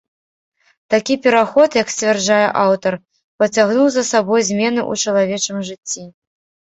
Такі пераход, як сцвярджае аўтар, пацягнуў за сабой змены ў чалавечым жыцці.